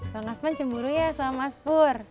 bang asman cemburu ya sama mas pur